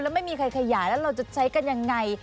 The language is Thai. แล้วไม่มีใครขยายแล้วเราจะใช้กันยังไง